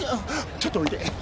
ちょっとおいで。